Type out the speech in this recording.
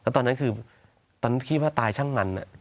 ตอนนั้นคิดว่าตายช่างมัน